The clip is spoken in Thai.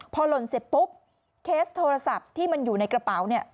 พอหล่นเสร็จปุ๊บเคสโทรศัพท์ที่มันอยู่ในกระเป๋าเนี่ย